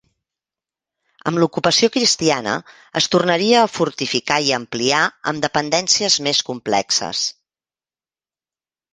Amb l'ocupació cristiana es tornaria a fortificar i ampliar amb dependències més complexes.